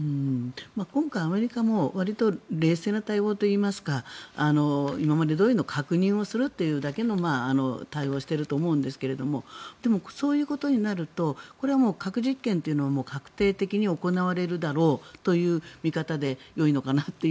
今回、アメリカもわりと冷静な対応といいますか今までどおりの確認をするというだけの対応をしていると思うんですがでも、そういうことになるとこれは核実験というのは確定的に行われるだろうという見方でよいのかなと。